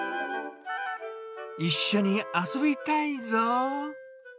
一緒に遊びたいぞう。